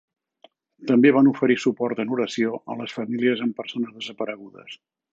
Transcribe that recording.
També van oferir suport en oració a les famílies amb persones desaparegudes.